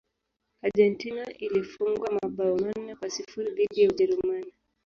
argentina ilifungwa mabao manne kwa sifuri dhidi ya ujerumani